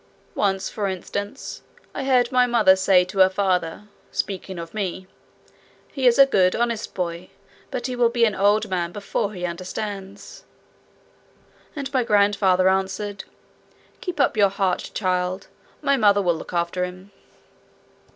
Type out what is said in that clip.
Once, for instance, I heard my mother say to her father speaking of me "He is a good, honest boy, but he will be an old man before he understands"; and my grandfather answered, "Keep up your heart, child: my mother will look after him."